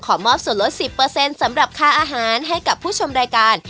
มอบส่วนลด๑๐สำหรับค่าอาหารให้กับผู้ชมรายการ